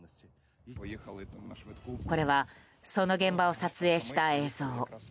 これはその現場を撮影した映像。